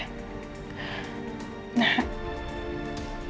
nanti pake baju yang mama buat ya